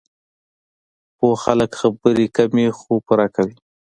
پوه خلک خبرې کمې، خو پوره کوي.